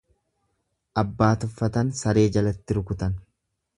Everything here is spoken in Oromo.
Abbaa tuffatan saree jalatti rukutan.